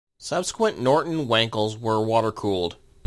Subsequent Norton Wankels were water-cooled.